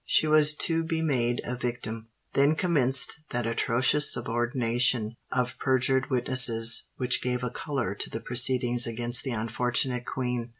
She was to be made a victim. Then commenced that atrocious subornation of perjured witnesses which gave a colour to the proceedings against the unfortunate Queen.